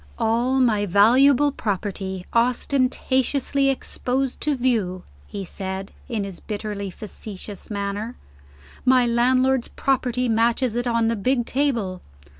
"All my valuable property, ostentatiously exposed to view," he said, in his bitterly facetious manner. "My landlord's property matches it on the big table."